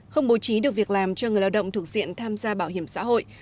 không bố trí được việc làm cho người lao động thuộc diện tham gia bảo hiểm xã hội